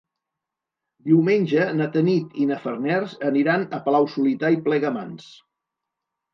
Diumenge na Tanit i na Farners aniran a Palau-solità i Plegamans.